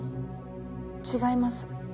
違います。